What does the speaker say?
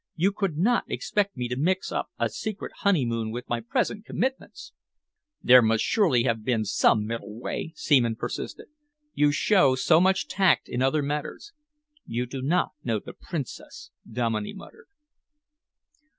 You could not expect me to mix up a secret honeymoon with my present commitments!" "There might surely have been some middle way?" Seaman persisted. "You show so much tact in other matters." "You do not know the Princess," Dominey muttered.